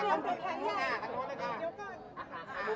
ไม่ได้หยัดแล้วนะ